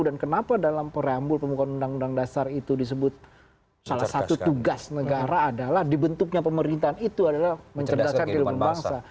dan kenapa dalam pereambul pemukulan undang undang dasar itu disebut salah satu tugas negara adalah dibentuknya pemerintahan itu adalah mencerdaskan